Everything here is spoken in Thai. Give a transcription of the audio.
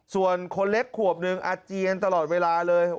ส่วนคนเล็กขวบหนึ่งอาเจียนตลอดเวลาเลย